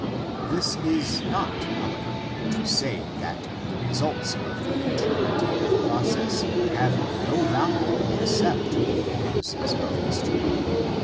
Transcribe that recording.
This is not, however, to say that the results of the inter pretative process have no value except for purposes of history.